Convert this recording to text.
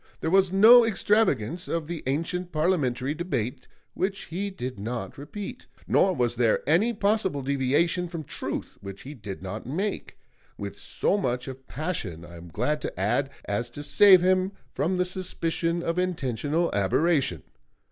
There was no extravagance of the ancient parliamentary debate which he did not repeat; nor was there any possible deviation from truth which he did not make, with so much of passion, I am glad to add, as to save him from the suspicion of intentional aberration.